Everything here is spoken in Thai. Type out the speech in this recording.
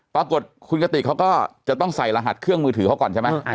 ปรากฏคุณกติกเขาก็จะต้องใส่รหัสเครื่องมือถือเขาก่อนใช่ไหม